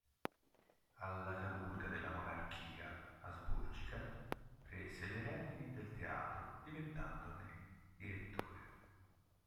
Alla caduta della monarchia asburgica, prese le redini del teatro diventandone direttore.